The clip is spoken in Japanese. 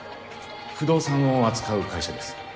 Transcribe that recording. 不動産を扱う会社です。